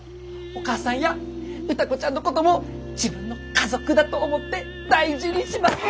お母さんや歌子ちゃんのことも自分の家族だと思って大事にします！